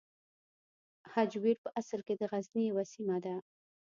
هجویر په اصل کې د غزني یوه سیمه ده.